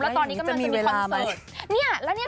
แล้วตอนนี้กำลังจะมีคอนเสิร์ต